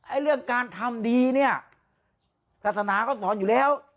เรื่องการทำดีเนี่ยศาสนาเขาสอนอยู่แล้ว